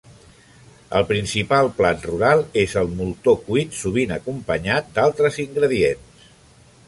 El principal plat rural és el moltó cuit, sovint acompanyat d'altres ingredients.